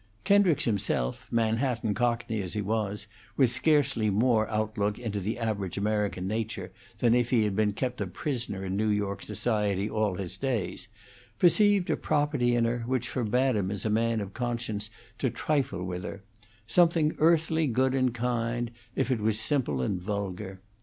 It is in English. Kendricks himself, Manhattan cockney as he was, with scarcely more outlook into the average American nature than if he had been kept a prisoner in New York society all his days, perceived a property in her which forbade him as a man of conscience to trifle with her; something earthly good and kind, if it was simple and vulgar.